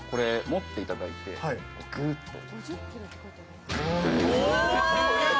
持っていただいて、グッと。